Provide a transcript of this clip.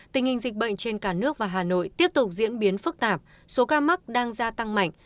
tình hình dịch bệnh trên cả nước và hà nội tiếp tục diễn biến phức tạp số ca mắc đang gia tăng mạnh